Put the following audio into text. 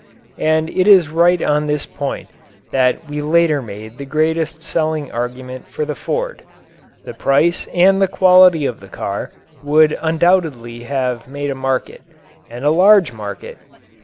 And it is right on this point that we later made the largest selling argument for the Ford. The price and the quality of the car would undoubtedly have made a market, and a large market.